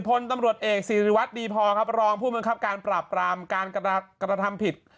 พลตำรวจเอกสิริวัตรดีพอครับรองผู้บังคับการปราบปรามการกระทำผิด